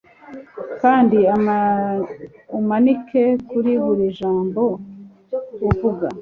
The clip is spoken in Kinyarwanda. kandi umanike kuri buri jambo uvuga